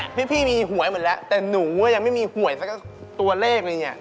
เนี่ยพี่มีหวยหมดแล้วเห้ยแต่หนูก็ยังไม่มีหวยสักตัวเลขเลยไง